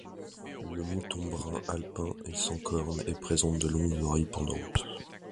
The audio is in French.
Le mouton brun alpin est sans cornes et présente de longues oreilles pendantes.